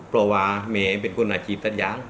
ประวาเหมือนเป็นคนอาชีพตัดย้าง